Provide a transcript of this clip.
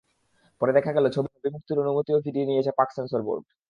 পরে দেখা গেল, ছবি মুক্তির অনুমতিও ফিরিয়ে নিয়েছে পাক সেন্সর বোর্ড।